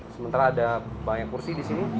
sementara ada banyak kursi di sini